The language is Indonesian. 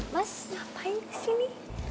mas ngapain disini